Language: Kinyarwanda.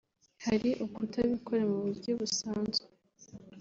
Hari ukutabikora mu buryo busanzwe